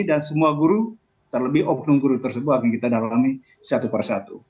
dan semua guru terlebih obnum guru tersebut akan kita dalami satu per satu